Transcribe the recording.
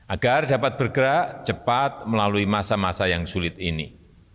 agar dapat bergerak cepat melalui masa masa yang sulit ini